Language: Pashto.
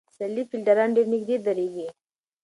سلیپ فېلډران ډېر نږدې درېږي.